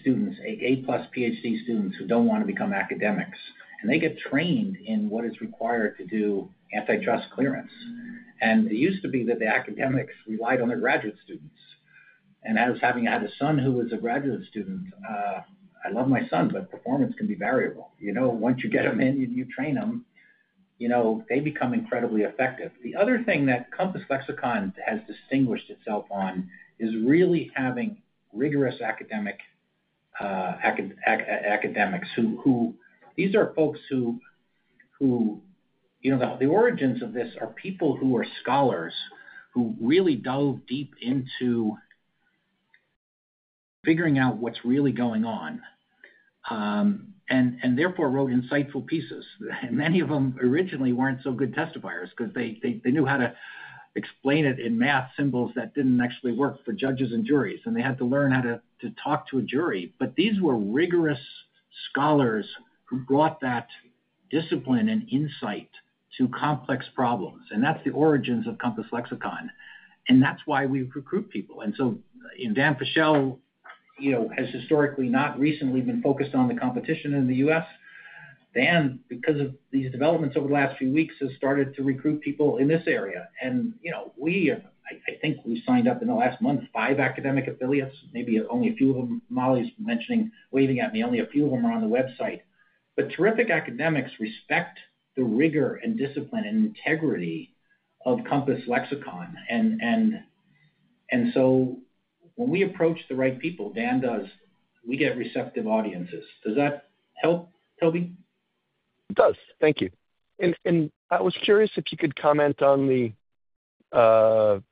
students, A-plus PhD students who don't want to become academics, and they get trained in what is required to do Antitrust clearance. It used to be that the academics relied on their graduate students. Having had a son who was a graduate student, I love my son, but performance can be variable. Once you get them in and you train them, they become incredibly effective. The other thing that Compass Lexecon has distinguished itself on is really having rigorous academics. These are folks who the origins of this are people who are scholars who really dove deep into figuring out what's really going on and therefore wrote insightful pieces. And many of them originally weren't so good testifiers because they knew how to explain it in math symbols that didn't actually work for judges and juries, and they had to learn how to talk to a jury. But these were rigorous scholars who brought that discipline and insight to complex problems. And that's the origins of Compass Lexecon. And that's why we recruit people. And so Dan Fischel has historically, not recently, been focused on the competition in the U.S. Dan, because of these developments over the last few weeks, has started to recruit people in this area. And I think we signed up, in the last month, five academic affiliates, maybe only a few of them. Mollie's waving at me. Only a few of them are on the website. But terrific academics respect the rigor and discipline and integrity of Compass Lexecon. And so when we approach the right people, Dan does, we get receptive audiences. Does that help, Toby? It does. Thank you. And I was curious if you could comment on the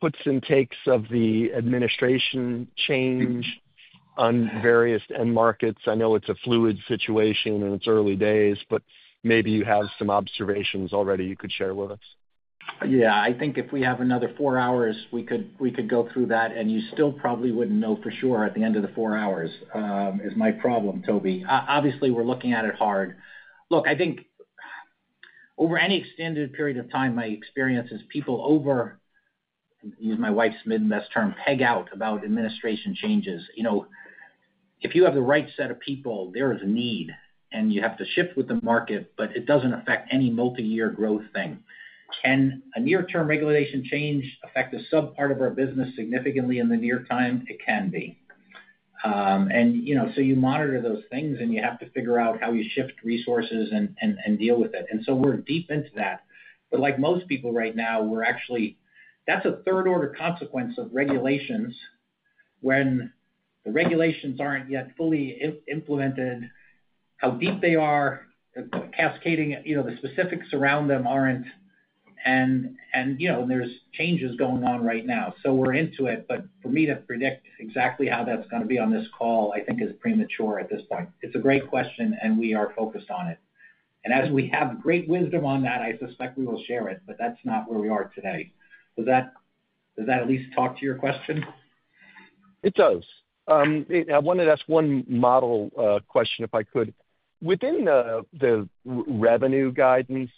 puts and takes of the administration change on various end markets. I know it's a fluid situation in its early days, but maybe you have some observations already you could share with us. Yeah. I think if we have another four hours, we could go through that, and you still probably wouldn't know for sure at the end of the four hours. It's my problem, Toby. Obviously, we're looking at it hard. Look, I think over any extended period of time, my experience is people overuse my wife's mid-mess term, peg out, about administration changes. If you have the right set of people, there is a need, and you have to shift with the market, but it doesn't affect any multi-year growth thing. Can a near-term regulation change affect a subpart of our business significantly in the near term? It can be, and so you monitor those things, and you have to figure out how you shift resources and deal with it, and so we're deep into that, but like most people right now, we're actually, that's a third-order consequence of regulations. When the regulations aren't yet fully implemented, how deep they are cascading, the specifics around them aren't, and there's changes going on right now, so we're into it, but for me to predict exactly how that's going to be on this call, I think is premature at this point. It's a great question, and we are focused on it. As we have great wisdom on that, I suspect we will share it, but that's not where we are today. Does that at least talk to your question? It does. I wanted to ask one model question, if I could. Within the revenue guidance,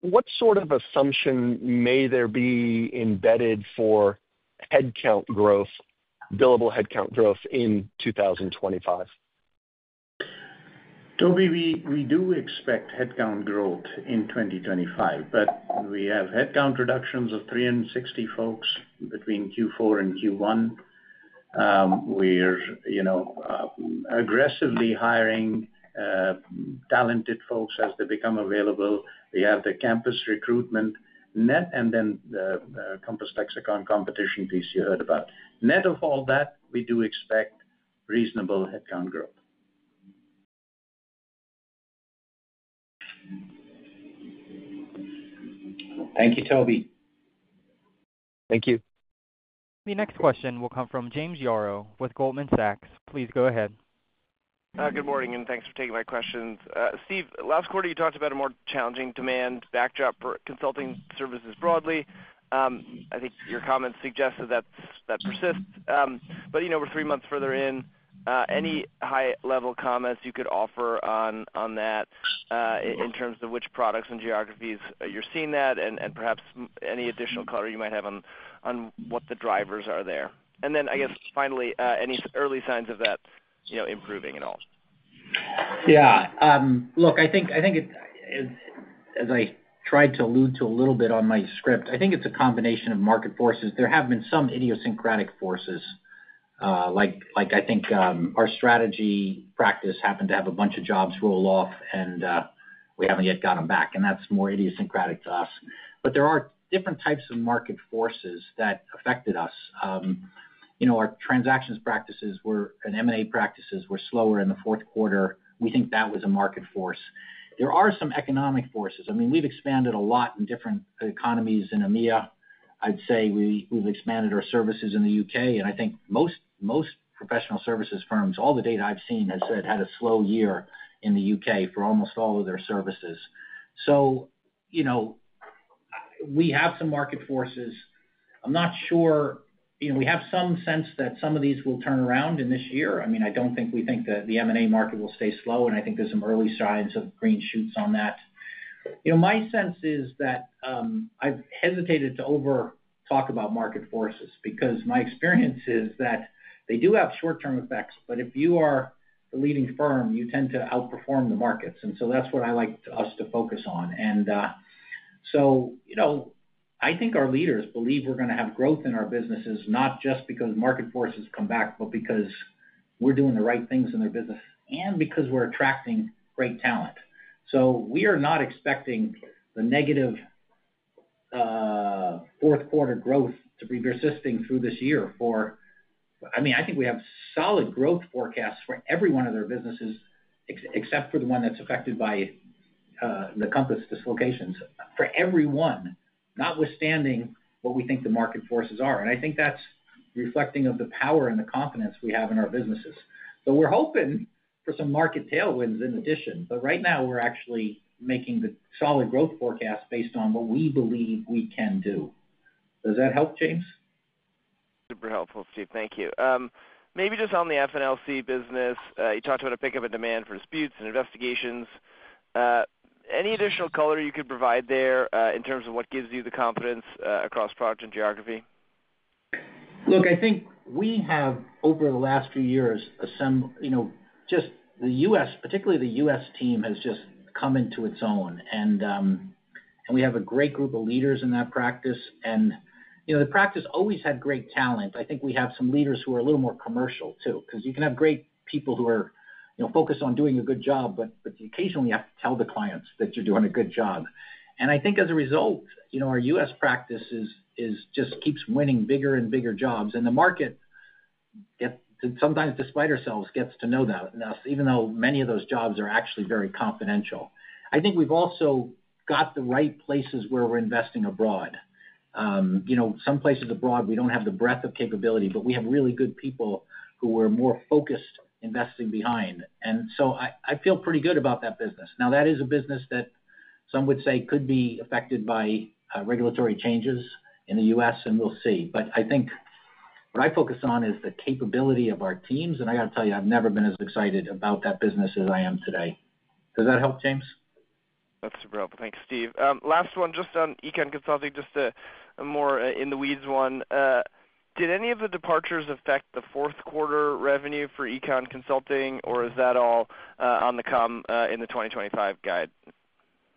what sort of assumption may there be embedded for headcount growth, billable headcount growth in 2025? Toby, we do expect headcount growth in 2025, but we have headcount reductions of 360 folks between Q4 and Q1. We're aggressively hiring talented folks as they become available. We have the campus recruitment net and then the Compass Lexecon competition piece you heard about. Net of all that, we do expect reasonable headcount growth. Thank you, Toby. Thank you. The next question will come from James Yaro with Goldman Sachs. Please go ahead. Good morning, and thanks for taking my questions. Steve, last quarter, you talked about a more challenging demand backdrop for consulting services broadly. I think your comments suggested that persists. But we're three months further in. Any high-level comments you could offer on that in terms of which products and geographies you're seeing that and perhaps any additional color you might have on what the drivers are there? And then I guess finally, any early signs of that improving at all? Yeah. Look, I think as I tried to allude to a little bit on my script, I think it's a combination of market forces. There have been some idiosyncratic forces, like I think our strategy practice happened to have a bunch of jobs roll off, and we haven't yet got them back, and that's more idiosyncratic to us. But there are different types of market forces that affected us. Our Transactions practices were and M&A practices were slower in the fourth quarter. We think that was a market force. There are some economic forces. I mean, we've expanded a lot in different economies in EMEA. I'd say we've expanded our services in the U.K., and I think most professional services firms, all the data I've seen, has had a slow year in the U.K. for almost all of their services. So we have some market forces. I'm not sure we have some sense that some of these will turn around in this year. I mean, I don't think we think that the M&A market will stay slow, and I think there's some early signs of green shoots on that. My sense is that I've hesitated to over-talk about market forces because my experience is that they do have short-term effects, but if you are the leading firm, you tend to outperform the markets, and so that's what I like us to focus on, and so I think our leaders believe we're going to have growth in our businesses, not just because market forces come back, but because we're doing the right things in their business and because we're attracting great talent, so we are not expecting the negative fourth-quarter growth to be persisting through this year for—I mean, I think we have solid growth forecasts for every one of their businesses except for the one that's affected by the Compass dislocations. For everyone, notwithstanding what we think the market forces are, and I think that's reflecting the power and the confidence we have in our businesses. So we're hoping for some market tailwinds in addition, but right now, we're actually making the solid growth forecast based on what we believe we can do. Does that help, James? Super helpful, Steve. Thank you. Maybe just on the FLC business, you talked about a pickup in demand for disputes and investigations. Any additional color you could provide there in terms of what gives you the confidence across product and geography? Look, I think we have, over the last few years, just the U.S., particularly the U.S. team, has just come into its own. And we have a great group of leaders in that practice. And the practice always had great talent. I think we have some leaders who are a little more commercial too because you can have great people who are focused on doing a good job, but occasionally, you have to tell the clients that you're doing a good job, and I think as a result, our U.S. practice just keeps winning bigger and bigger jobs, and the market, sometimes despite ourselves, gets to know that enough, even though many of those jobs are actually very confidential. I think we've also got the right places where we're investing abroad. Some places abroad, we don't have the breadth of capability, but we have really good people who are more focused investing behind, and so I feel pretty good about that business. Now, that is a business that some would say could be affected by regulatory changes in the U.S., and we'll see. But I think what I focus on is the capability of our teams. And I got to tell you, I've never been as excited about that business as I am today. Does that help, James? That's super helpful. Thanks, Steve. Last one, just on Econ Consulting, just a more in-the-weeds one. Did any of the departures affect the fourth-quarter revenue for Econ Consulting, or is that all on the come in the 2025 guide?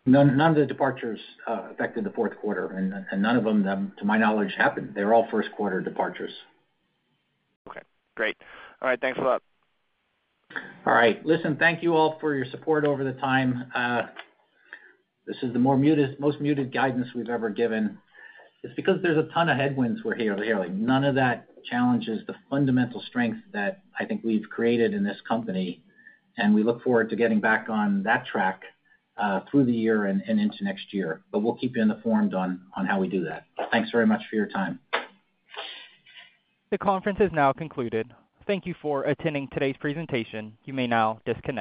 None of the departures affected the fourth quarter, and none of them, to my knowledge, happened. They're all first-quarter departures. Okay. Great. All right. Thanks a lot. All right. Listen, thank you all for your support over the time. This is the most muted guidance we've ever given. It's because there's a ton of headwinds we're here. None of that challenges the fundamental strength that I think we've created in this company. And we look forward to getting back on that track through the year and into next year. But we'll keep you informed on how we do that. Thanks very much for your time. The conference is now concluded. Thank you for attending today's presentation. You may now disconnect.